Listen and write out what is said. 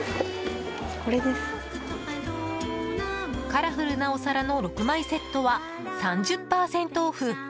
カラフルなお皿の６枚セットは３０％オフ。